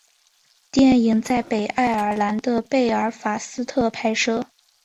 电影在北爱尔兰的贝尔法斯特拍摄。